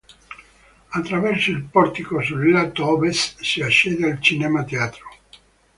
Attraverso il portico sul lato ovest si accede al Cinema Teatro.